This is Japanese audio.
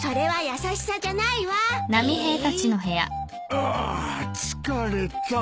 ああ疲れた。